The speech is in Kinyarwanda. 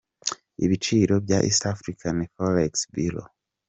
Ibiciro bya East african forex bureau.